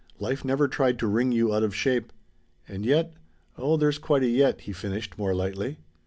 Life never tried to wring you out of shape. And yet oh there's quite a yet," he finished more lightly.